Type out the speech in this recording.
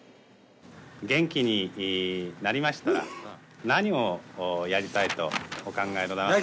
元気になりましたら何をやりたいとお考えでございますか？